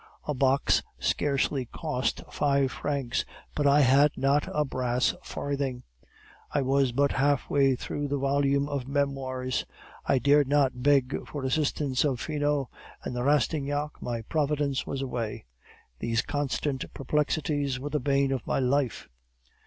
A box scarcely cost five francs, but I had not a brass farthing. I was but half way through the volume of Memoirs; I dared not beg for assistance of Finot, and Rastignac, my providence, was away. These constant perplexities were the bane of my life.